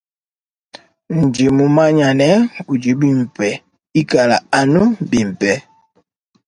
Ndi mumanye ne udi bimpe ika anu bimpe.